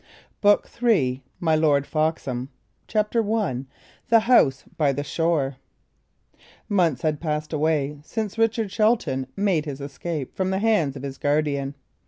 BOOK III MY LORD FOXHAM CHAPTER I THE HOUSE BY THE SHORE Months had passed away since Richard Shelton made his escape from the hands of his guardian.